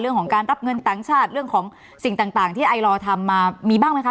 เรื่องของการรับเงินต่างชาติเรื่องของสิ่งต่างที่ไอลอร์ทำมามีบ้างไหมคะ